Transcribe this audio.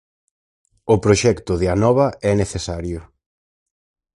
O proxecto de Anova é necesario.